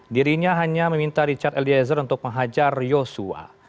dirinya hanya meminta richard eliezer untuk menghajar yosua